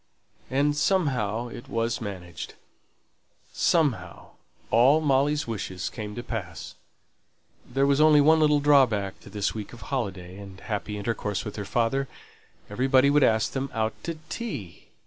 And "somehow" it was managed. "Somehow" all Molly's wishes came to pass; there was only one little drawback to this week of holiday and happy intercourse with her father. Everybody would ask them out to tea.